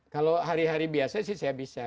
kalau hari hari biasa sih saya bisa